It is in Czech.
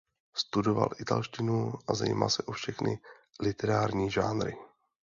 Studoval italštinu a zajímal se o všechny literární žánry.